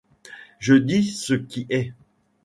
Je dis ce qui est.